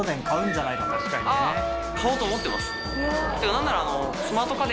何なら。